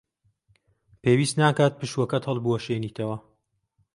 پێویست ناکات پشووەکەت هەڵبوەشێنیتەوە.